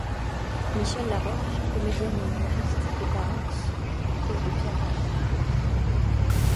Michèle Laroque, comédienne et humoriste, est parente au de Pierre Laroque.